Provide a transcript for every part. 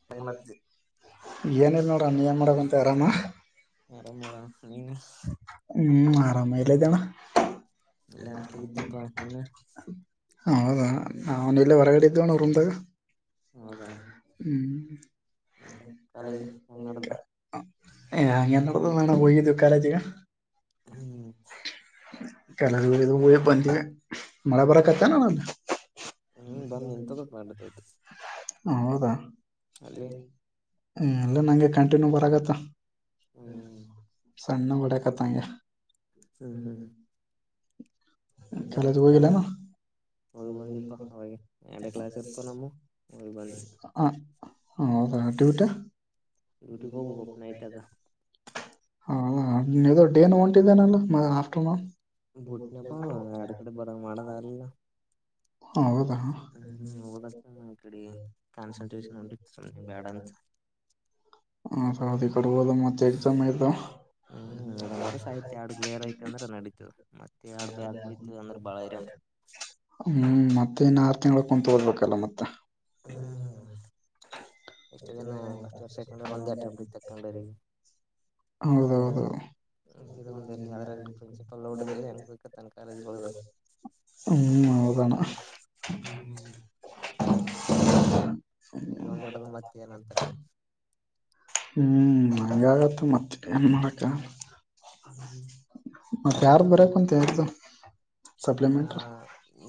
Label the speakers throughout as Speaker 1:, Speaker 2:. Speaker 1: [unintelligible]
Speaker 2: ಏನಿಲ್ಲ ನೋಡ್ರ ಅನ್ನ್ ಏನ ಮಾಡಕುಂತೆ ಆರಾಮ
Speaker 1: ಆರಾಮ್ ಮಾಡ ನೀನು
Speaker 2: ಹ್ಮ್ ಆರಾಮ ಎಲ್ಲಿದಿ ಅಣ್ಣಾ
Speaker 1: ಇಲ್ಲೇ ಹಾಸ್ಟೆಲ್ಗ ಇದ್ದೆ ಪಾ ನೀನ
Speaker 2: ಹೌದಾ ಅವಾನ ಇಲ್ಲೇ ಹೊರಗಡೆ ಇದ್ವಣ್ಣ ರೂಮ್ದಾಗ.
Speaker 1: ಹೌದಾ.
Speaker 2: ಹ್ಮ್
Speaker 1: ಮತ್ತೆ
Speaker 2: [unintelligible]
Speaker 1: ಕಾಲೇಜ್ ಹೆಂಗ್ ನಡ್ದ
Speaker 2: ಅಂಗೇನ್ [unintelligible] ಹೋಗಿದ್ವಿ ಕಾಲೇಜಿಗೆ.
Speaker 1: ಹ್ಮ್
Speaker 2: ಕೆಲದು ಹೋಗಿ ಬಂದೆ. ಮಳೆ ಬರಕತ್ತೇನು.
Speaker 1: ಹ್ಮ್ ಬಂದ್ ನಿಂತದ ಮಾಡತೈತಿ
Speaker 2: ಹೌದಾ.
Speaker 1: ಅಲ್ಲಿ
Speaker 2: ಹ್ಮ ಅಂಗಿದ್ ಅಂಗೆ ಕಂಟಿನ್ಯೂ ಬರಗತ್ತ.
Speaker 1: ಹ್ಮ್
Speaker 2: ತಣ್ಣಗ್ ಹೊಡೆಯಕತ್ತಾನೆ ಈಗ.
Speaker 1: ಹ್ಮ್ ಹ್ಮ್ ಮತ್ತೆ ಕಾಲೇಜ್. ಹೋಗಿ ಬಂದಿಪಾ ಅವೆ ಎರಡೇ ಕ್ಲಾಸ್ ಇರ್ತ ನಮ ಹೋಗಿ ಬಂದಿ.
Speaker 2: ಹ್ಮ ಹೌದಾ ಅಟ್ಟಿಬಟ್ಟ.
Speaker 1: ಡ್ಯೂಟಿಗ್ ಹೋಗ್ಬೇಕಪ್ಪ ನೈಟ್ ಅದ
Speaker 2: ಹ್ಮ [unintelligible] ಡೇನು ಹೊಂಟಿದೆೇನಲ್ಲ ಆಫ್ಟರ್ನೂನ್.
Speaker 1: ಬುಟ್ನಪ್ಪ ಎರಡ್ ಕಡೆ ಬರಂಗ ಮಾಡದಾಗಲಿಲ್ಲ
Speaker 2: ಹೌದ್
Speaker 1: ಹ್ಮ್ ಹ ಓದಕ ಅಕಡಿ ಕಾನ್ಸಂಟ್ರೇಷನ್ ಉಂಟ ಸುಮ್ನೆ ಬ್ಯಾಡ ಅಂತ.
Speaker 2: ಆ ಈ ಕಡೆ ಹೋದ ಮತ್ತೆ ಎಕ್ಸಾಮ್ ಇದ್ದ.
Speaker 1: ಹ್ಮ್ ಇದೊಂದ್ ವರ್ಷ ಆಯ್ತ್ ಎರಡ್ ಕ್ಲಿಯರ್ ಐತಿ
Speaker 2: ಹಮ್
Speaker 1: ಅಂದ್ರ ನಡೀತದ ಮತ್ತೆ ಎರಡ್ ಬ್ಯಾಕ್ ಉಳಿತು ಅಂದ್ರ ಬಾಳ ಹೈರಾಣ
Speaker 2: [unintelligible] ಹ್ಮ್ ಮತ್ತೆ ಇನ್ ಆರು ತಿಂಗ್ಳ ಕುತ್ ಹೋಗ್ಬೇಕಲ್ಲ ಮತ್ತೆ.
Speaker 1: ಹ್ಮ್ ಎಷ್ಟು ದಿನ. ಫಸ್ಟ್ ಇಯರ್ ಸೆಕಂಡ್ ಇರ್ ಒಂದೇ ಅಟೆಂಪ್ಟ್ ಅಲ್ಲಿ ತೆಕಂಡರಿಗೆ.
Speaker 2: ಹೌದೌದು.
Speaker 1: ಇದ ಒಂದ ಇಲ್ಲಿ ಅದ್ರ ಪ್ರಿನ್ಸಿಪಲ್ ನೋಡದಲ್ಲಿ ಹೆಂಗ್ ಬೇಕ ತನ್ ಕಾಲೇಜ್ಗಳದ
Speaker 2: [unintelligible] ಹ್ಮ್ ಹೋಗಣ
Speaker 1: ಹ್ಮ್ ಹ್ಮ್
Speaker 2: [unintelligible]
Speaker 1: ಇದೊಂದ್ ಇಡ್ ಮತ್ತೆ ಏನ ಅಂತಲ್ಲ.
Speaker 2: ಹ್ಮ್ ಹಂಗೆ ಆಗುತ್ ಮತ್ತೆ ಏನ್ ಮಾಡೋಕ್ಕ. ಮತ್ತ ಯಾರ ಬರ ಕೊಂತ ಯಾರದು.
Speaker 1: ಹ ಹಾ.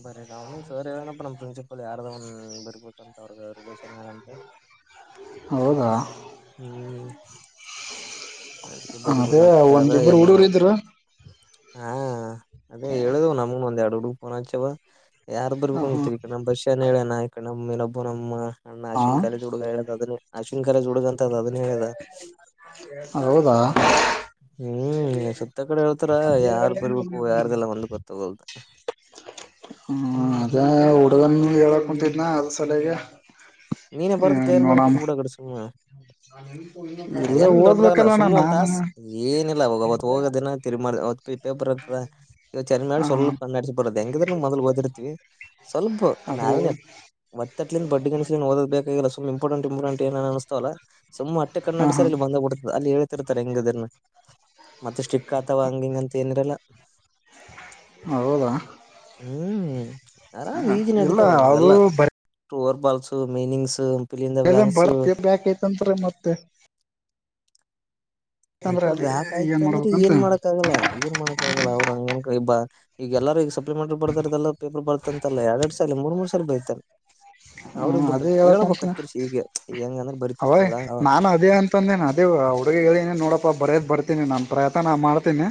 Speaker 1: ಬರೇ ಕಣಿ ಸರ್ ಹೇಳನಪ್ಪ ನಮ್ಮ ಪ್ರಿನ್ಸಿಪಲ್ ಯಾರ್ದ ಒನ್ ಬರ್ಬಂತ ಅವ್ರ ರಿಲೇಷನ್ ಹೇಳಂತ.
Speaker 2: ಹೌದಾ.
Speaker 1: ಹ್ಮ್ ಅದಕ್ಕೆ
Speaker 2: ಅದೇ
Speaker 1: ಬರಿಬೇಕಂತ ಅದ
Speaker 2: ಒಂದಿಬ್ಬರು
Speaker 1: ಏನ್
Speaker 2: ಹುಡುಗ್ರು ಇದ್ರು.
Speaker 1: ಹಾ ಅದೇ ಹೇಳುದ ನಮ್ಗ ಒಂದ ಎರಡು ಹುಡುಗ ಪೋನಚವಾ. ಯಾರು ಬರ್ಕು
Speaker 2: ಹ ಹಾ
Speaker 1: ಗತ್ತೀರಿ ಈ ನಮ್ ದಶನ್ ಹೇಳೇನ ನಯಕ ನಮ್ಮ ನಬ್ಬ ನಮ್ಮ. ಅಣ್ಣ
Speaker 2: ಹಾ
Speaker 1: ಅಶ್ವಿನ ಕಾಲೇಜ್ ಹುಡ್ಗ ಹೇಳದ ಅದೇ ಅಶ್ವಿನ ಕಾಲೇಜ್ ಹುಡ್ಗ ಅಂತ ಅ ಅದೇ ಹೇಳಿದ.
Speaker 2: ಹೌದಾ. ನ
Speaker 1: ಹ್ಮ್ ಸುತ್ತ ಕಡೆ ಹೇಳ್ತಾರ
Speaker 2: ಹತ್ತ
Speaker 1: ಯಾರ್ ಬರ್ಬೇಕು ಯಾರ್ದೆಲ್ಲ ಒಂದ್ ಗೊತ್ತಾಗಲ್ದು
Speaker 2: [unintelligible] ಹ್ಮ್ ಅದೇ ಹುಡುಗನ್ ಹೇಳಕ್ ಕುಂತಿದ್ನ ಅದ ಸಲಗೆ.
Speaker 1: ನೀನೇ ಬರದು ಕ್ಲಿಯರ್
Speaker 2: ನೋಡಮ್ಮ
Speaker 1: ಮಾಡ್ಕೊಟ್ಬುಡು ಸುಮ್ನೆ.
Speaker 2: ಇಲ್ಲ
Speaker 1: ಅದೇನ್ ದೊಡ್ಡದಾಗಲ್ಲ
Speaker 2: ಓದ್ಬೇಕಲ್ಲಣ್ಣ
Speaker 1: ಸುಮ್ನೆ ಒಂದ
Speaker 2: ನಾನ
Speaker 1: ತಾಸ್ ಏನಿಲ್ಲಾಗ ಅವತ್ ಹೋಗ ದಿನ ತಿರ್ ಮಾರ್ ಅವ ನಿದ್ದೆ ಬರತದ ಚನ್
Speaker 2: ಹ
Speaker 1: ಮಾಡಿ
Speaker 2: ಹಾ
Speaker 1: ಸ್ವಲ್ಪ ನಡೆಸಿ ಬರದ್ ಹೆಂಗಿದ್ರ ನ ಮೊದಲ್ ಓದಿರ್ತಿವಿ. ಸ್ವಲ್ಪ
Speaker 2: ಅದು
Speaker 1: ನಾವೇ ಒತ್ತಟ್ಲಿಂದ ಬಡ್ಡಿ ಗಣ ಓದ ಬೇಕಾಗಿಲ್ಲ ಸು ಇಂಪಾರ್ಟೆಂ ಇಂಪಾರ್ಟಂಟ್ ಏ ಅನ್ಸ್ತವಲ್ಲ ಸುಮ್ಮ ಅಟ್ಟೆ ಕಣ್
Speaker 2: ಹ ಹಾ
Speaker 1: ಸರ್ಲ್ಲಿ ಬಂದ ಬಿಡುತ್ತಾ ಅಲ್ಲಿ ಹೇಳ. ರ್ತಾರೆ ಹೆಂಗನ ಮತ್ತೆ ಸ್ಟಿಕ್ಕ ಅತವಾ ಹಂಗ ಹಿಂಗ ಅಂತ ಏನಿರಲ್ಲ.
Speaker 2: ಹೌದಾ
Speaker 1: ಹ್ಮ್ ಅರಾಮ ಈಜಿ
Speaker 2: ಇಲ್ಲ
Speaker 1: ನಡಿತವ
Speaker 2: ಅದು
Speaker 1: ಎಲ್ಲ್ ಟೋರ ಬಾಲ್ಸ್ ಮೀನಿಂಗ್ಸ್ ಪಿಲಿಂದ
Speaker 2: [unintelligible]
Speaker 1: ಬ್ಲಾಂಕ್ಸ್
Speaker 2: ಬರ್ತಿ ಬ್ಯಾಕೈತಂತರಿ ಮತ್ತೆ ಅಂದ್ರೆ
Speaker 1: ಪೇಪರ್
Speaker 2: ಅದ
Speaker 1: ಬ್ಯಾಕ್ ಆಯ್ತ
Speaker 2: ಏನ್
Speaker 1: ಅಂದ್ರ
Speaker 2: ಮಾಡ್ಬೇಕಂತ
Speaker 1: ಏನ್ ಮಾಡಕ್ ಆಗಲ್ಲ ಏನ್ ಮಾಡಕ್ ಆಗಲ್ಲ ಅವ್ರ ಹಂಗನ್ಕಬಾ ಈಗ ಎಲ್ಲಾರ ಈಗ ಸಪ್ಲಿಮೆಂಟಿ ಬರ್ದಾರದೆಲ್ಲ ಪೇಪರ್ ಬರುತ್ತಂತ ಅಲ್ಲ ಎರಡ ಎರಡ ಸಲಿ ಮೂರ್ ಮೂರ್ ಸಾಲಿ ಬರಿತ್ತಾರ
Speaker 2: ಹ್ಮ
Speaker 1: ಅವ್ರಿಗ್
Speaker 2: ಅದೇ
Speaker 1: ಬುಟ್ಟುದ್ ಹೇಳ್ಬೇಕ
Speaker 2: ಹೇಳಕ್ಂತನ
Speaker 1: ಕ್ತರ್ಸಿ ಹೀಗೆ ಈಗ ಹೆಂಗಂದ್ರ
Speaker 2: ಅವಾಗ
Speaker 1: ಬರಿತಿರ್ತಲ್ಲ ಹ್
Speaker 2: ನಾನು ಅದೇ ತಂದ ಅಂದೆ ನಾ ಅದೇ ನಾ ಹ್ ಹುಡುಗಗ್ ಹೇಳಿನಿ ನೋಡಪ್ಪ ಬರೇದ ಬರ್ತೀನಿ ನನ್ನ ಪ್ರಯತ್ನ ನಾ ಮಾಡ್ತೀನಿ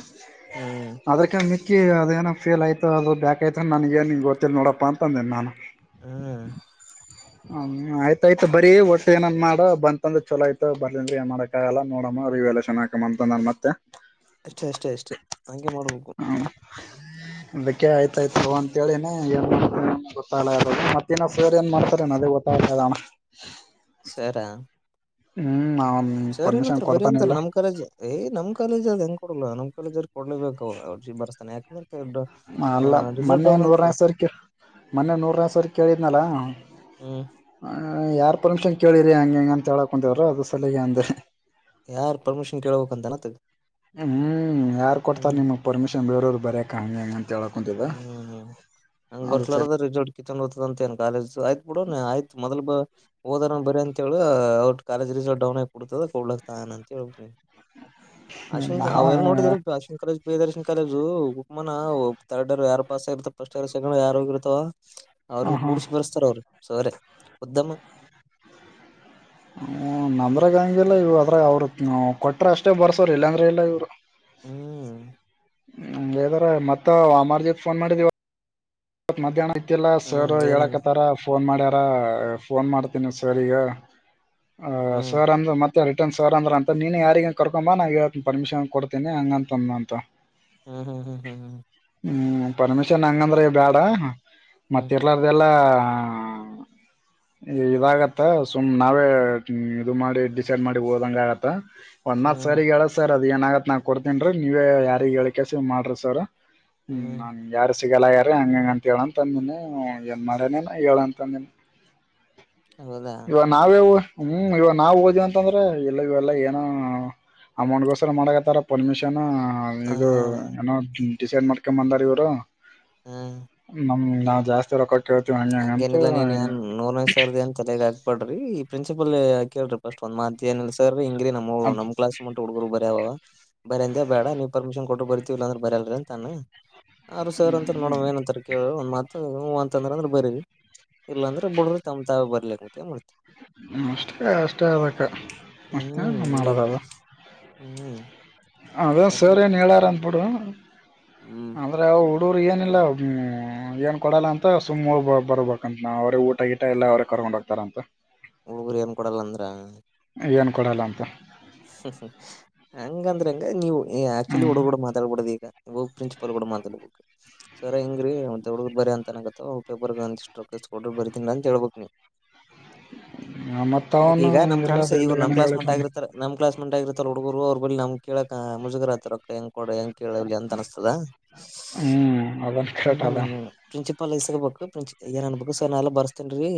Speaker 1: ಹ್ಮ್
Speaker 2: ಅದ್ರಕ್ಕಿನ ಮಿ ಕಿ ಅದೇನ ಫೇಲಾಯ್ತು ಅದು ಬಾಕ್ಯತ ನನಗೇನ ಗೊತ್ತಿಲ್ಲ ನೋಡಪ್ಪ ಅಂದಿನ ನಾನು
Speaker 1: ಹ್ಮ
Speaker 2: ಹ್ಮ ಆಯ್ತ ಆಯ್ತ ಬರಿ ಒಟ್ಟ ಏನನ್ ಮಾಡ ಬಂತಂದ್ರ ಚಲೋ ಆಯ್ತ ಬರ್ಲಿಂದ ಅಂದ್ರ ಏನ್ ಮಾಡಕ್ ಕಾಗಲ್ಲ ನೋಡಮ್ಮ ರಿವ್ಯಾಲ್ಯೂಯೇಷನ್ ಹಾಕಮ್ಮ ಅಂತ ಅಂದನ ಮತ್ತೆ
Speaker 1: ಅಷ್ಟೇ ಅಷ್ಟೇ ಅಷ್ಟೇ ಹಂಗೆ ಮಾಡ್ಬೇಕು
Speaker 2: ಹ್ ಅದಕ್ಕೆ ಆಯ್ತಾಯ್ತ ತೊಗೊ ಅಂತ ಹೇಳಿನಿ ಎನ್ ಮಾಡ್ತನೇನ್ ಗೊತ್ತಾಗಲ್ಲಾಗೆದದು ಮತ್ತ ಇನ್ನ ಸರ್ ಏನ್ ಮಾಡ್ತಾರೇನ ಅದೇ ಗೊತ್ತ ಗೊತ್ತಾಗಲ್ಲಾಗೆದಣ್ಣ
Speaker 1: ಸರಾ
Speaker 2: ಹ್ಮ್ ಅವನ್
Speaker 1: ಸರ್
Speaker 2: ಪರ್ಮಿಷನ್
Speaker 1: ಏನಂತ್ರ ಬರಿ
Speaker 2: ಕೊಡ್ತಾನೆ
Speaker 1: ಅಂತರ
Speaker 2: ಇಲ್ಲ
Speaker 1: ನಮ್ ಕಾಲೇಜೆ ಏ ನಮ್ಮ ಕಾಲೇಜ ಅದ ಹೆಂಗ್ ಕೊಡಲ ನಮ ಕಾಲೇಜ್ ಅವ್ರಿಗ ಕೊಡ್ಲೇಬೇಕು ಅವ್ರಜಿ ಬರ್ಸ್ತಾನ ಯಾಕಂದ್ರ
Speaker 2: ಅಲ್ಲ ಮೊನ್ನೆ ನೂರನಾಕ ಸಾರಿ ಕೆ ಮೊನ್ನೆ ನೂರನಾಕ ಸರಿಗ ಕೇಳಿದ್ನಲ್ಲ
Speaker 1: ಹ್ಮ್
Speaker 2: ಯಾರ್ ಪರ್ಮಿಷನ್ ಕೇಳಿರಿ ಹಂಗೆ ಹಿಂಗ ಅಂತ ಹೇಳ ಕುಂತಿದ್ರ ಅದು ಸಲಕೆ ಅಂದೆ
Speaker 1: ಯಾರ ಪರ್ಮಿಷನ್ ಕೇಳ್ಬೇಕಂತನತ್ತಗ
Speaker 2: ಹ್ಮ್ ಯಾರ್ ಕೊಡ್ತಾರ ನಿಮಗ್ ಪರ್ಮಿಷನ್ ಬೇರೇವರಗ ಬರೆಕ ಹಂಗ ಹಿಂಗ ಅಂತ ಹೇಳ
Speaker 1: ಹ್ಮ್ ಹಂಗ
Speaker 2: ಸರಿ
Speaker 1: ಬರ್ಸ್ಲಾರದ ರೀಸ್ಲಟ್ ಕಿತಗೊಂಡ ಹೊತ್ತದಂತ ಏನ್ ಕಾಲಜ್ ಆಯ್ತ್ ಬುಡುನ್ನ ಆಯ್ತ್ ಮೊದಲ್ ಓದನ ಬರಿ ಅಂತೇಳ ಅವ್ರ ಕಾಲೇಜ ರಿಸಲ್ಟ್ ಡೌನ್ ಆಗ್ಬಿಡತದ ಕೊಡ್ಲಕ್ ತಾನೇ ಅಂತೇಳ್ಬಿಡತ್ತಿನ್
Speaker 2: [inaudible]
Speaker 1: ಅಶ್ವಿನ
Speaker 2: ನಾವ
Speaker 1: ಅವ ಎಲ್ಲ ನೋಡಿದಿಲ್ಲ್ ಅಶ್ವಿನ ಕಾಲೇಜ್ ಪ್ರಿಯದರ್ಶಿನ್ ಕಾಲೇಜು ಉಕಮನ ತರ್ಡ್ರ ಇಯರ್ ಯಾರ ಪಾಸಾಗಿರ್ತವ ಫಸ್ಟ್ ಇಯರ್ ಸೆಕೆಂಡ್ ಇಯರ್ ಯಾರೋಗಿರ್ತೋ
Speaker 2: ಹ
Speaker 1: ಅವ್ರನ್ನ
Speaker 2: ಹಾ
Speaker 1: ಕೂಡಿಸ್ ಬರ್ತ ತ್ತಾರ ಅವರ ಸರೆ ಮುದ್ದಮ್ಮ
Speaker 2: ಹ್ಮ ನಮ್ಮದ್ರಗೆ ಹಂಗಿಲ್ಲ ಇವ್ ಅದ್ರಗ ಅವರು ಕೊಟ್ರ ಅಷ್ಟೇ ಬರ್ಸೋರ ಇಲ್ಲಾಂದ್ರ ಇಲ್ಲ ಇವ್ರು
Speaker 1: ಹ್ಮ್
Speaker 2: ಹಂಗೆದಾರ ಮತ್ತೆ ಅವ ಅಮರದೀಪ್ ಫೋನ್ ಮಾಡಿದವಿತ್ತ ಇವತ್ ಮಧ್ಯಾಹ್ನ ಇದ್ದಿಲ್ಲ ಸರ್
Speaker 1: ಹ್ಮ್ ಏನಂದ
Speaker 2: ಹೇಳಕತ್ತಾರ ಫೋನ್ ಮಾಡ್ಯಾರ ಫೋನ್ ಮಾಡ್ತೀನಿ ಸರಿಗೆ
Speaker 1: ಹ್ಮ್
Speaker 2: ಸರ್ ಅಂದ್ರ ಮತ್ತ ಮತ್ತೆ ರಿಟರ್ನ್ ಸರ್ ಅಂದ್ರ ಅಂತ ನೀನೆ ಯಾರಿಗನ ಕರ್ಕೊಂಬ್ ನಾ ಹೇಳ್ತಿನ ಪರ್ಮಿಷನ್ ಕೊಡ್ತೀನಿ ಹಂಗ ಅಂತಂದ ನಂತ ಅವ
Speaker 1: ಹ್ಮ್ ಹ್ಮ ಹ್ಮ ಹ್ ಹ್ಮ್
Speaker 2: ಹ್ಮ್ ಪರ್ಮಿಷನ್ ಹಂಗಂದ್ರೆ ಬ್ಯಾಡ
Speaker 1: ಹ್ಮ್ ಹ್ಮ್
Speaker 2: ಮತ್ತೆ ಇಲ್ಲಾರದೇಲ್ಲ ಇವಾಗತ್ತ ಸುಮ್ ನಾವೇ ಇದು ಮಾಡಿ ಡಿಸೈಡ್ ಮಾಡಿ ಓದಂಗ ಆಗತ್ತ ಒನ್ನ ಮಾತ್
Speaker 1: ಹ್ಮ್
Speaker 2: ಸರಿಗ್ ಹೇಳದ ಸರ್ ಅದ ಏನ ಆಗತ್ತ್ ನಾ ಕೊಡ್ತನ್ರಿ ನೀವೇ ಯಾರಿಗ ಹೇಳ ಕೆಸಿ ಮಾಡ್ರಿ ಸರ್ ಹ್ಮ
Speaker 1: ಹ್ಮ್
Speaker 2: ನನಗ್ ಯಾರು ಸಿಗಲ್ಲಾಗೆರಿ ಹಂಗಂಗ ಅಂತ ಹೇಳಂತ ಅಂದಿನ ಏನ್ ಮಾಡನೇನ ಹೇಳಂತ ಅಂದಿನಿ
Speaker 1: ಹೌದಾ.
Speaker 2: ನಾವು ಹ್ಮ್ ಇವಗ್ ನಾವು ಒದ್ವವಂತಂದ್ರೆ ಇಲ್ಲ ಇವೆಲ್ಲ ಏನೋ. ಅಮೌಂಟ್ಗೋಸ್ಕರ ಮಾಡಕತ್ತಾರ ಪರ್ಮಿಷನು ಹಾ
Speaker 1: ಹ
Speaker 2: ಇದು ಏನೋ ಡಿಸೈಡ್ ಮಾಡ್ಕೆಂಡ್ ಬಂದಾರ್ ಇವ್ರು.
Speaker 1: ಹ್ಮ.
Speaker 2: ನಮ್ ನಾವ್ ಜಾಸ್ತಿ ರೊಕ್ಕ ಕೆಳ್ತೀವ್ ಹಂಗೆ ಹಿಂಗ್ ಅಂತ.
Speaker 1: ಅವ್ರ್ದೆನ್ ತಲೆಗ್ ಹಾಕ್ಬಡ್ರಿ ಪ್ರಿನ್ಸಿಪಲು ಕೇಳ್ರಿ ಫಸ್ಟ್ ಒಂದ್ ಮಾತ್ ಏನಿಲ್ಲ ಸರು ಹಿಂಗ್ರೀ ನಮ್ ಮೂ
Speaker 2: ಅದ್
Speaker 1: ನಮ್ ಕ್ಲಾಸ್. ಅಮೌಂಟು ಹುಡ್ಗರು ಬರಾವ ಬರಂದೆ ಬೇಡ ನೀವ್ ಪರ್ಮಿಷನ್ ಕೊಟ್ರು ಬರ್ತಿವ್ ಇಲ್ಲ ಅಂದ್ರ್ ಬರಲ್ರಿ ಅಂತನ್ನು. ಆರ್ ಸಾರ್ ಅಂತ್ರ ನೋಡಮ್ ಏನಂತರ್ ಕೇಳು ಒಂದ್ ಮಾತು ಹ್ಮ್ ಅಂತಂದ್ರು ಅಂದ್ರೆ. ಬರ್ಲಿ ಇಲ್ಲಾಂದ್ರೆ ಬುಡ್ರಿ ತಮ್ ತಾವೆ ಬರ್ಲಿಕ್ಂತ್ ಏನ್ ಮಾಡ್
Speaker 2: ಅಷ್ಟೇ ಅಷ್ಟೇ ಅದಕ್ಕ ಮತ್
Speaker 1: ಹ್ಮ್
Speaker 2: ಏನ್
Speaker 1: ಹಿಂಗೆ
Speaker 2: ಮಾಡದಲ್ಲ.
Speaker 1: ಹ್ಮ್.
Speaker 2: ಅದೇ
Speaker 1: ಬರ್ರಿ
Speaker 2: ಸಾರ್ ಏನ್ ಹೇಳಾರಂತ್ ಬಿಡು
Speaker 1: ಹ್ಮ್
Speaker 2: ಅಂದ್ರೆ ಅವ್. ಹುಡುರು ಏನಿಲ್ಲ ಏನ್ ಕೊಡಲ್ಲ ಅಂತ ಸುಮ್ ಹೋಗ್ ಬರ್ಬೇಕಂತ ನಾವ್ ಅವ್ರೆ ಊಟಗಿಟ. ಎಲ್ಲ ಅವ್ರೇ ಕರ್ಕೊಂಡ್ ಹೋಗ್ತಾರಂತೆ.
Speaker 1: ಹುಡುಗುರ್ ಏನ್ ಕೊಡಲ್ಲಂದ್ರ.
Speaker 2: ಏನ್ ಕೊಡಲ್ಲಂತೆ.
Speaker 1: ಹಂಗಂದ್ರ ಎಂಗ ನೀವು ನಿವ್ ಆಕ್ಚಲಿ ಹುಡ್ಗೂರ್
Speaker 2: ಹ್ಮ್
Speaker 1: ಮಾತಾಡ್ಬರ್ದು ಇಗ. ಒಗ್ ಪ್ರಿನ್ಸಿಪಾಲ್ ಕೂಡ ಮಾತಾಡ್ಬಕು. ಸರ ಹಿಂಗ್ರೀ ಮತ ಹುಡ್ಗುರ್ ಬರ ಅಂತ್ ಅನಕತ್ತರ ಒಬಬ್ರಿಗ್ ಒಂದಿಸ್ಟ್ ರೊಕ್ಕ ಇಸ್ಕೊಡ್ರಿ ಬರ್ತಿನ್ ಅಂತ್ ಹೇಳ್ಬಕ್ ನೀ.
Speaker 2: ಹಾ ಮತ್
Speaker 1: ಯಾಕ
Speaker 2: ಅವ್ನು
Speaker 1: ಈಗ ನಮ್ ಫ್ರೆಂಡ್ಸ್
Speaker 2: ಇರ್ಲದ್ ಎಲ್ಲ
Speaker 1: ಇವ್ರು
Speaker 2: ಏನ
Speaker 1: ನಮ್
Speaker 2: ಹೇಳ
Speaker 1: ಕ್ಲಾಸ್ ಮೇಟ್ ಆಗಿರ್ತಾರ ನಮ್ ಕ್ಲಾಸ್ಮೆಂಟ್ ಆಗಿರ್ತರಲ್ಲ ಹುಡ್ಗುರು ಅವ್ರ್ ಬದ್ಲಿ ನಮ್ ಕೆಳಕ ಮುಜುಗರ ಅತರ್ ರೊಕ್ಕ ಕೊಡ ಹೆಂಗ್ ಕೇಳಲಿ ಅಂತ್ ಅನಸ್ತದ
Speaker 2: ಹ್ಮ್ ಅದನ್ ಕರೆಕ್ಟ್ ಅದ
Speaker 1: ಹ್ಮ. ಪ್ರಿನ್ಸಿಪಲ್ ಇಸ್ಕಾಬಕು ಪ್ರಿನ್ಸಿ ಇಗ [unintelligible] ಎಲ್ಲ ಬರುಸ್ತಾನ್ರಿ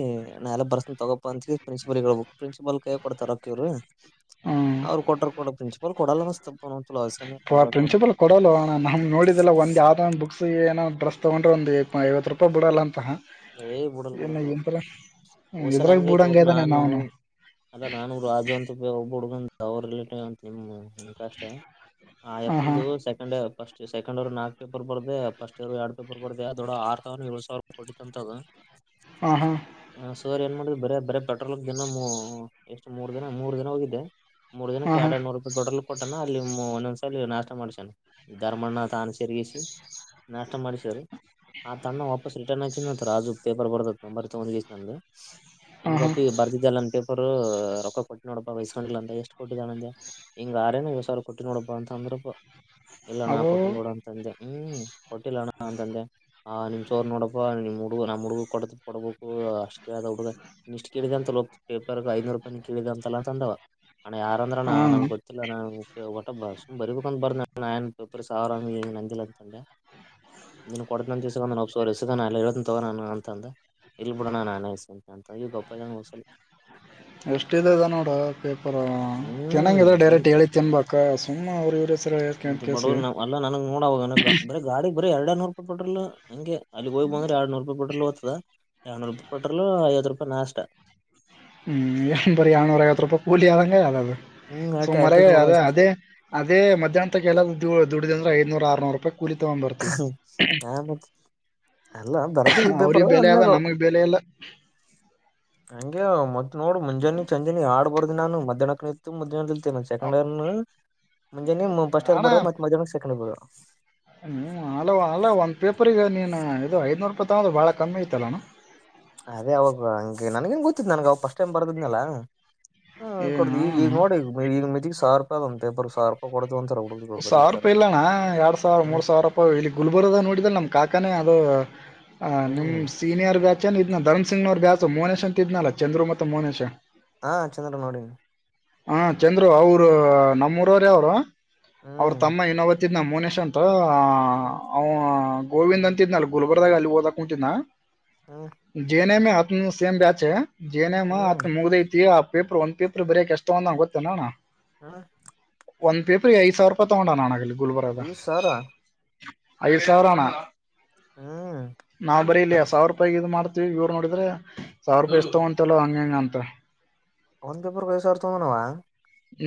Speaker 1: ನಾ ಎಲ್ಲ ಬರುಸ್ತಾನ್ ತಗೋಪ್ಪ ಅಂತ್ ಹೇಳ್ ಪ್ರಿನ್ಸಿಪಲ್ ಹೇಳ್ಬಕ್ ಪ್ರಿನ್ಸಿಪಲ್ ಕೈಯಾಕ್ ಕೊಡ್ತರ್ ರೊಕ್ ಇವ್ರು
Speaker 2: ಹ್ಮ್
Speaker 1: ಅವ್ರ್ ಕೊಟ್ರು ಕಡ್ತ್ ಪ್ರಿನ್ಸಿಪಲ್ ಕೊಡಲ್ ಅನಸ್ತ. [unintelligible] ಇಸ್ಕಂಡ್ ಮೇಲ್ ಕೊಡ್ಬಾಕ್ ಅವ್ನು.
Speaker 2: ಕೊಡಲ್ಲೊ ನನ್ ಮನ್ ನೋಡಿದಲ ಒಂದ್ ಯಾವ್ದೋ ಒಂದ್ ಬುಕ್ಸಿಗ್ ಏನೋ ಡ್ರಸ್ ತಗೊಂಡ್ರೆ ಒಂದ್ ಐವತ್ ರೂಪಾಯ್ ಬಿಡಲ್ಲಂತ.
Speaker 1: ಏ ಬಿಡಲ್ ಬಿಡು ಅವ್ನು
Speaker 2: ಹ್ಮ್,
Speaker 1: ಹೊಸಲ್
Speaker 2: ಇದ್ರಾಗ
Speaker 1: ಹಂಗೆ
Speaker 2: ಬೂಡಂಗ
Speaker 1: [unintelligible]
Speaker 2: ಇದಾನೆ
Speaker 1: ನಾನು.
Speaker 2: ಅವನು
Speaker 1: ಅದ ನಾನು ರಾಜು ಅಂತ ಒಬ್ಬ ಹುಡ್ಗುನ್ ಅವ್ರ ರಿಲೇಟಿವ್. [unintelligible] ಅಷ್ಟೇ ಆ
Speaker 2: ಹಾ ಹಾ
Speaker 1: ಯಾಪ್ಪುಂದು ಸೆಕೆಂಡ ಪಸ್ಟ್. ಸೆಕಂಡ್ ಇಯಾರು ನಾಕ್ ಪೇಪರ್ ಬರ್ದೆ ಪಸ್ಟ್ ಇಯರ್ ನಾವ್ ಎರ್ಡ್ ಪೇಪರ್ ಬರ್ದೆ ದೊಡ್ಡ ಆರ್ ಸಾವ್ರ ಯೋಳ್ ಸಾವ್ರೂಪಾಯಿ ಕೊಟ್ಟಿದೀನ್. [unintelligible] ತಗ.
Speaker 2: ಹಾ ಹಾ.
Speaker 1: ಹ ಸರ್ ಏನ್ ಮಾಡಿದ್ರು ಬರೇ ಬರೇ ಪೆಟ್ರೋಲಿಕ್ ದಿನಮು ಎಷ್ಟು ಮೂರ್ ದಿನ ಮೂರ್ ದಿನ ಹೋಗಿದ್ದೆ. ಮೂರ್
Speaker 2: ಹಾ
Speaker 1: ದಿನಕ್ಕೆ
Speaker 2: ಹಾ
Speaker 1: ಎರಡ್ ಎರಡ್ ನೂರೂಪಾಯ್ ಪೆಟ್ರೋಲಾಕ್ ಕೊಟ್ಟಾನ ಅಲ್ಲಿ ಒಂದೊಂದ್ಸಲಿ ನಾಷ್ಟ ಮಾಡ್ಸನ. ದಾರಮಣ್ಣ ತಾನ ಸರ್ಗಿಸಿ ನಾಷ್ಟ ಮಾಡ್ಸಿರು ಆತಣ್ಣ ವಾಪಸ್ ರಿಟರ್ನ್ ಇಸ್ ರಾಜು ಪೇಪರ್ ಬರ್ದತ್ ನಂಬರ್ ತಗೊಂಡಿತ್ ನಂದು
Speaker 2: ಹಾ ಹಾ
Speaker 1: ಎಂಗಾಪಿ ಬರ್ದಿದ್ದಲ್ ನನ್ ಪೇಪರ್. ರೊಕ್ಕ ಕೊಟ್ಟಿನ್ ನೋಡಪ್ಪ ಇಸ್ಕೊಂಡಿಲ್ ಅಂದ ಎಷ್ಟ್ ಕೊಟ್ಟಿದಣ್ಣ ಅಂದೆ. ಹಿಂಗ ಆರೇನ ಯೋಳ್ ಸಾವ್ರ ಕೊಟ್ಟಿನ್ ನೋಡಪ್ಪ ಅಂದ್ರಪ. ಇಲ್ಲಣ್ಣ
Speaker 2: ಅದು
Speaker 1: ಕೊಟ್ಟಿಲ್ ನೋಡು ಅಂತಂದೆ ಹ್ಮ್ ಕೊಟ್ಟಿಲ್ಲಣ್ಣ ಅಂತಂದೆ ಆ ನಿಮ್ ಸರ್ ನೋಡಪ. ನಿಮ್ ಹುಡ್ಗು ನಮ್ ಹುಡ್ಗುಗ್ ಕೊಡ್ತೀನ್ ಕೊಡ್ಬಕು ಅಷ್ಟ್ ಕೇಳ್ದ ಹುಡ್ಗ ಇಷ್ಟ್ ಕೇಳಿದ ಅಂತಲ್ಲ ಪೇಪರ್ಗಾ ಐನೂರೂಪಾಯ್ ಕೇಳಿದಂತಲ್ಲ ಅಂತಂದ. ಅಣ್ಣ ಯಾರಂದ್ರಣ್ಣ
Speaker 2: ಹಾ
Speaker 1: ನನ್ಗ್ ಗೊತ್ ಗೊತ್ತಿಲಣ್ಣ ನ ಒಟ ಸುಮ್ ಬರೀಬಕಂತ್ ಬರ್ದ್ನಣ್ಣ ನನ್ ಪೇಪರ್ ಸಾರ್ ಅಂಗ್ ಹಿಂಗ್ ಅಂದಿಲ್ಲಂತದೆ. ನೀನುಗ್ ಕೊಡ್ತ್ನಂತ್ ಇಸ್ಕಂದನ್ ಹೋಗ್ ಸರ್. ದನ ಅಲ್ ಇರೊದುನ್ ತಗೋ ನಾನು ಅಂತಂದ್ ಇಲ್ ಬಿಡಣ ನಾನೆ ಇಸ್ಕೊತಿನಿ ಅಂತ [unintelligible]
Speaker 2: ಎಷ್ಟ ಇದದ ನೋಡ ಪೇಪರ್ ತಿನ್ನಂಗಿದ
Speaker 1: ಹ್ಮ್
Speaker 2: ಡೈರೆಕ್ಟ್ ಹೇಳಿ ತಿನ್ಬೇಕ ಸುಮ್ಮ್ ಅವ್ರ ಇವ್ರೇಸ್
Speaker 1: ಮತ್ತೆ ಬಡವರು ಅಲ್ಲ ನನಗ್ ನೋಡ್ ಅವಾಗನ ಬರೆ ಗಾಡಿ ಬರಿ ಎರಡೇ ನೂರೂಪಾಯಿ ಪೆಟ್ರೋಲ್ ಹಂಗೆ. ಅಲ್ಲಿ ಹೋಗ್ ಬಂದ್ರ ಎರಡ್ನುರು ರೂಪಾಯಿ ಪೆಟ್ರೋಲ್ ಹೋತದ ಎರಡ್ನೂರು ಪೆಟ್ರೋಲ್ ಐವತ್ತ್ ರೂಪಾಯ್ ನಾಷ್ಟ.
Speaker 2: ಹ್ಮ್ ಎ ಬರಿ ಏಳ್ನೂರ ಐವತ್ತು ರೂಪಾಯಿ ಕೂಲಿ ಆದಂಗೆ ಯಾವ್ದ ಅದು
Speaker 1: ಹ್ಮ್ ಆಟ ಆಟ
Speaker 2: ಸುಮಾರಾಗೆ
Speaker 1: ನೋಡ
Speaker 2: ಅದು
Speaker 1: ಅಷ್ಟ
Speaker 2: ಅದೇ ಅದ ಮಧ್ಯಾನ್ತಕ್ ಎಲ್ಲದು ದುಡ್ದೇ ಅಂದ್ರೆ ಐನೂರು ಆರ್ನುರು ರೂಪಾಯಿ ಕೂಲಿ ತಗೊಂಬರ್ತೀವಿ.
Speaker 1: ಹಾ ಬ್ರೋ ಅಲ್ಲ ಬರ್ದೀವಿ ಪೇಪರ್
Speaker 2: ಅವ್ರಿಗೆ ಬೆಲೆ
Speaker 1: ಅಂದ್
Speaker 2: ಅದ ನಮಗ್ ಬೆಲೆ ಇಲ್ಲ
Speaker 1: [unintelligible] ಹಂಗೆ ಅವ್ ಮತ್ ನೋಡು ಮುಂಜಾನೆ ಚಂಜಾನಿ ಆಡ್ಬರ್ದ್ದಿ ನಾನು ಮಧ್ಯಾಹ್ನಕ್ಕನ ಇತ್ತು ಮಧ್ಯಾಹ್ನದಲ್ [unintelligible] ಸೆಕಂಡ್ ಇರ್ ನ ಮುಂಜೆನೀ ಮ ಫಸ್ಟ್ ಇಯರ್ ಬರಿ ಮತ್ತ್ ಮಧ್ಯಾನಕ್ ಸೆಂಕೆಂಡ್ ಇಯರ್ ಬರ.
Speaker 2: ನೀನು ಅಲ ಅಲ್ಲ ಒಂದು ಪೇಪರ್ಗ ನೀನು ಇದು ಐನೂರು ರೂಪಾಯಿ ತಗೋದು ಭಾಳ ಕಮ್ಮಿ ಐತಲ್ಲಣ.
Speaker 1: ಅದೇ ಅವಾಗ ಹಂಗೆ ನನ್ಗೆನ್ ಗೊತ್ತಿತ್ತ್ ನನ್ಗ್ ಅವ ಫಸ್ಟ್ ಟೈಮ್ ಬರ್ದಿದ್ನಲ. ಹ್ಮ್
Speaker 2: ಏ
Speaker 1: ಕೊಡ್ ಈಗ ಈಗ್
Speaker 2: ಹಾ
Speaker 1: ನೋಡಿ ಈಗ ಮೆಜಿಗ್ ಸಾವ್ರ ರೂಪಾಯ್ ಒಂದ್ ಪೇಪರ್ ಸಾವ್ರ್ ರೂಪಾಯ್ ಕೊಡ್ತೀವಂತ ಹುಡುಗುರು.
Speaker 2: ಸಾವಿರ ರೂಪಾಯಿ ಇಲ್ಲಣ್ಣ ಎರಡ್ ಸಾವಿರ ಮೂರ್ ಸಾವಿರ ರೂಪಾಯಿ ಇಲ್ಲಿ ಗುಲ್ಬರ್ಗ ದಾಗ್ ನೋಡಿದ್ರ ನಮ್ ಕಾಕಾನೆ ಅದು ಹ
Speaker 1: ಹ್ಮ್
Speaker 2: ನಿಮ್ಸ್ ಸೀನಿಯರ್ ಬ್ಯಾಚನ್ ಇದ್ನ ಧರ್ಮ್ ಸಿಂಗ್ ನವ್ರ್ ಬ್ಯಾಚ್ ಮೋನೇಶ್ ಅಂತ್ ಇದ್ನಲ್ಲ ಚಂದ್ರು ಮತ್ತ್ ಮೋನೇಶ್
Speaker 1: ಹಾ ಚಂದ್ರು ನೋಡಿನ್
Speaker 2: ಹಾ ಚಂದ್ರು ಅವ್ರು ನಮ್ಮೂರವ್ರೆ ಅವ್ರು. ಅವ್ರ
Speaker 1: ಹ್ಮ್
Speaker 2: ತಮ್ಮ ಇನ್ನೊಬಾತ ಇದ್ನ ಮೋನೇಶ್ ಅಂತ ಆ
Speaker 1: ಹ್ಮ್
Speaker 2: ಅವ ಗೋವಿಂದ್ ಅಂತಿದ್ನಲ ಗುಲ್ಬರ್ಗಾಗ ಅಲ್ಲಿ ಓದಕ್ ಕುಂತಿದ್ನಾ
Speaker 1: ಹ್ಮ
Speaker 2: ಜೆ ಎನ್ ಎಮ್ ಎ ಅದ್ನು ಸೇಮ್ ಬ್ಯಾಚೆ ಜೆ ಎನ್ ಎಮ್
Speaker 1: ಹ್ಮ್
Speaker 2: ಹತ್ ಮುಗ್ದೈತಿ ಅದ್ ಪೇಪರ್ ಒಂದ್ ಪೇಪ್ರ್ ಬರಿಯಕ್ ಎಷ್ಟ್ ತಗೊಂದಾನ್ ಗೊತ್ತೇನ ಅಣ?
Speaker 1: ಆ
Speaker 2: ಒಂದ್ ಪೇಪರಿಗ್ ಐದ್ ಸಾವಿರ ರೂಪಾಯಿ ತಗೊಂಡಾನ ಅಣ ಇಲ್ಲಿ ಗುಲ್ಬರ್ಗದ
Speaker 1: ಐದ್ ಸಾವಿರ
Speaker 2: ಐದ್ ಸಾವಿರಣ
Speaker 1: ಹ್ಮ್
Speaker 2: ನಾವ್ ಬರಿ ಇಲಿ ಸಾವಿರ ರೂಪಾಯ್ಗ್ ಇದ್ ಮಾಡ್ ತಿವ್ ಇವ್ರು ನೋಡಿದ್ರೆ ಸಾವಿರ ರೂಪಾಯಿ ಇಷ್ಟ್ ತಗೋಂತಿಲ್ಲೋ ಹಂಗೆ ಹಿಂಗೆ ಅಂತ.
Speaker 1: ಒಂದ್ ಪೇಪರ್ಗ್ ಐದ್ ಸಾವ್ರ್ ತಗೊಂಡವ.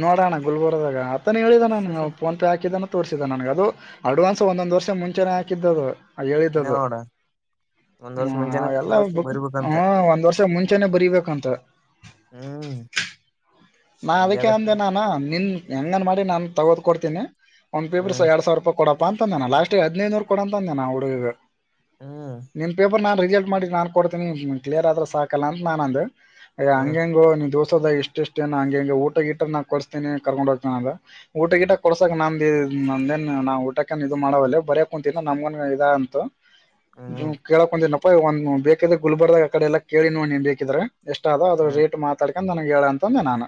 Speaker 2: ನೋಡೋಣ ಗುಲ್ಬರ್ಗದಾಗ ಅತ್ತ ನೀ ಹೇಳಿದಾನಣ್ಣ ಅವ್ ಫೋನ್ ಪೇ ಹಾಕಿದಾನ. ತೋರಿಸಿದ ನನ್ಗೆ ಅದು ಅಡ್ವಾನ್ಸ್ ಒಂದೊಂದ್ ವರ್ಷ ಮುಂಚೆನೆ ಹಾಕಿದ್ದದು ಹೇಳಿದ್ದದು
Speaker 1: ನೋಡ ಒಂದ್ ವರ್ಷ
Speaker 2: ಹ್ಮ
Speaker 1: ಮುಂಚೆನೆ ಒಂದ್
Speaker 2: ಎಲ್ಲ
Speaker 1: ವರ್ಷ ನೀ
Speaker 2: ಹ
Speaker 1: ಬರಿಬೇಕಂತ
Speaker 2: ಒಂದ್ ವರ್ಷ ಮುಂಚೆನೆ ಬರಿಬೇಕಂತ.
Speaker 1: ಹ್ಮ್
Speaker 2: ನಾ
Speaker 1: ಹಂಗೆ
Speaker 2: ಅದಕ್ಕೆ
Speaker 1: ಅದಪ್ಪ
Speaker 2: ಅಂದೆ ನಾನ ನಿನ್ ಹೆಂಗನ್ ಮಾಡಿ ನಾನು ತಗೋದ್ ಕೊಡ್ತೀನಿ. ಒಂದ್ ಪೇಪರ್ ಸ
Speaker 1: ಹ್ಮ್
Speaker 2: ಎರಡ್ ಸಾವಿರ ರೂಪಾಯ ಕೊಡಪ್ಪಾ ಅಂತಂದೆನಾ ಲಾಸ್ಟ್ ಹದ್ನೈದ್ ನೂರು ಕೊಡಂತ್ ಅಂದೇನ ಹುಡುಗಗ.
Speaker 1: ಹ್ಮ್
Speaker 2: ನಿನ್ ಪೇಪರ್ ನಾನ್ ರಿಸಲ್ಟ್ ಮಾಡಿ ನಾನ್ ಕೊಡ್ತೀನಿ ಕ್ಲಿಯರ್ ಆದ್ರ ಸಾಕಲ್ಲ ಅಂತ್ ನಾನ್ ಅಂದೆ. ಅಯ್
Speaker 1: ಹ್ಮ್
Speaker 2: ಹಂಗೆಂಗೊ ನೀನ್ ದೋಸ್ತದಾಗ್ ಇಷ್ಟಿಶ್ಟೆನ ಹಂಗೆ ಹಿಂಗೆ ಊಟ ಗೀಟರ್ ನಾ ಕೊಡ್ಸ್ತಿನಿ ಕರ್ಕೊಂಡ್ ಹೋಗ್ತಿನ್ ಅಂದ. ಊಟ ಗಿಟ ಕೊಡ್ಸಕ್ ನಂದಿ ನಂದೇನ್ ನಾ ಊಟಕ್ಕ ಇದು ಮಾಡವಲ್ಲ ಬರಯಕ್ ಕುಂತಿದ್ದ ನಮ್ಗನ್ ಇದ ಅಂತು.
Speaker 1: ಹ್ಮ್
Speaker 2: ಕೇಳಕ್ ಒಂದನಪ್ಪ ಒನ್ ಬೇಕಿದ್ರೆ ಗುಲ್ಬರ್ದಾಗ ಆ ಕಡೆ ಎಲ್ಲ ಕೇಳಿ ನೋಡ್ ನೀನ್ ಬೇಕಿದ್ರೆ. ಎಷ್ಟೊ ಆದ ಅದ್ರು
Speaker 1: ಹ್ಮ್
Speaker 2: ರೇಟ್ ಮಾತಾಡ್ಕೊಂದ್ ನನಗ್ ಹೇಳ ಅಂತಂದೆ ನಾನು.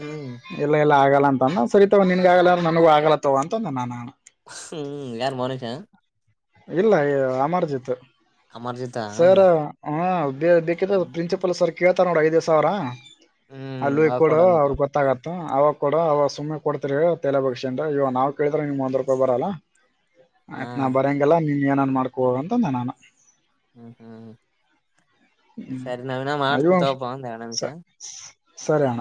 Speaker 1: ಹ್ಮ್
Speaker 2: ಎಲ್ಲ ಎಲ್ಲ ಆಗಲ್ಲ ಅಂದ ಸರಿತಗೊ ನಿನ್ಗ ಆಗಲ್ಲಾರ ನನಗೂ ಆಗಲ್ಲ ತಗೋ ಅಂತಂದೆನ ನಾನು.
Speaker 1: ಹ್ಮ್ ಯಾರು ಮೋನಿಶ್ ಆ
Speaker 2: ಇಲ್ಲ ಈ ಯ ಅಮರ್ಜಿತ್.
Speaker 1: ಅಮರ್ಜಿತ
Speaker 2: ಸರ್ ಹ ಬ ಬೇಕಿದ್ದ
Speaker 1: ಹ್ಮ್
Speaker 2: ಪ್ರಿನ್ಸಿಪಲ್ ಸರ್ ಕೇಳ್ತಾರ ನೋಡ್ ಐದೇ ಸಾವ್ರ
Speaker 1: ಹ್ಮ್
Speaker 2: ಅಲ್ಲೋಗ್
Speaker 1: ಅವ
Speaker 2: ಕೊಡು
Speaker 1: ಕೊಡಂತ
Speaker 2: ಅವ್ರ್ ಗೊತ್ ತ್ತಾಗತ್ತ ಅವಾಗ ಕೊಡು ಅವಾಗ ಸುಮ್ಮನೆ ಕೊಡ್ತಿರಲ್ಲ ತೇಲ ಬಗ್ಸ್ಕೊಂಡು ಇವಾಗ್ ನಾವ್ ಕೇಳಿದ್ರೆ ನಿಮ್ಗ್ ಒಂದ್ ರೂಪಾಯಿ ಬರಲ್ಲ.
Speaker 1: ಹಾ
Speaker 2: ಆಯ್ತ ನಾ ಬರೆಂಗಿಲ್ಲ ನಿ ಏನನ್ ಮಾಡ್ಕೊ ಹೋಗಂತ ಅಂದೆ ನಾನ
Speaker 1: ಹ್ಮ್ ಹ್ಮ್ ಹ್ಮ
Speaker 2: ಹ್ಮ ಅವಿ
Speaker 1: ಮಾಡ್ತನ್
Speaker 2: ಒಂದ್
Speaker 1: ತಗೋಪ ಎರಡ್ ನಿಮಿಷ
Speaker 2: ಸರಿಯಣ